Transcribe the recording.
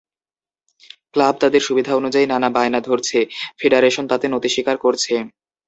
Club তাদের সুবিধা অনুযায়ী নানা বায়না ধরছে, ফেডারেশন তাতে নতি স্বীকার করছে।